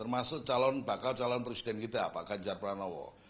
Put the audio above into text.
maksudnya bakal calon presiden kita pak ganjar pranowo